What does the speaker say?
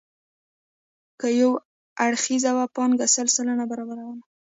که یو اړخیزه وه پانګه سل سلنه برابروله.